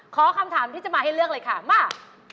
คำถามที่จะมาให้เลือกเลยค่ะมา